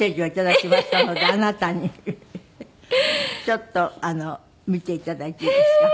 ちょっと見て頂いていいですか？